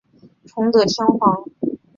崇德天皇。